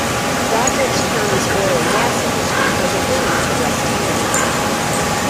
Doddridge County's oil and gas industry was a boon to West Union.